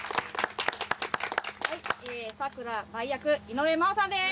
佐倉麻衣役井上真央さんです！